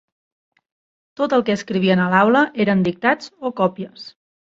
Tot el que escrivien a l'aula eren dictats o còpies.